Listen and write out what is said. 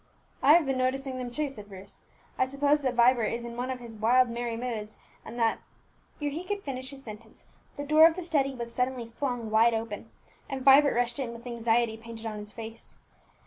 "I have been noticing them too," said Bruce. "I suppose that Vibert is in one of his wild merry moods, and that " Ere he could finish his sentence, the door of the study was suddenly flung wide open, and Vibert rushed in, with anxiety painted on his face.